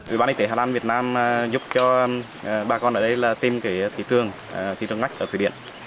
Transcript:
ủy ban y tế hà lan việt nam giúp cho bà con ở đây là tìm cái thị trường thị trường ngách ở thụy điển